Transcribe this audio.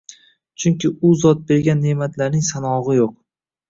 Chunki U zot bergan neʼmatlarning sanog‘i yo‘q.